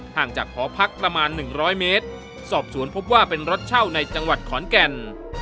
ห่างจากหอพักประมาณ๑๐๐เมตรสอบสวนพบว่าเป็นรถเช่าในจังหวัดขอนแก่น